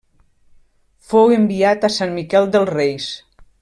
Fou enviat a Sant Miquel dels Reis.